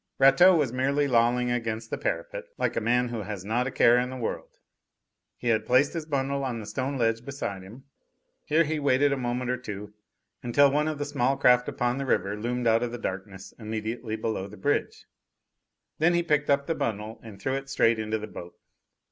Rateau was merely lolling against the parapet, like a man who has not a care in the world. He had placed his bundle on the stone ledge beside him. Here he waited a moment or two, until one of the small craft upon the river loomed out of the darkness immediately below the bridge. Then he picked up the bundle and threw it straight into the boat.